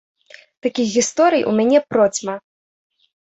Такіх гісторый у мяне процьма!